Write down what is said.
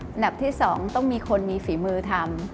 อันดับที่๒ต้องมีคนมีฝีมือทำ